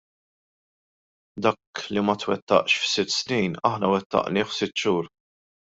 Dak li ma twettaqx f'sitt snin aħna wettaqnieh f'sitt xhur!